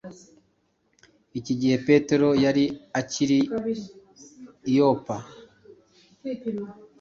iki Igihe Petero yari akiri i Yopa,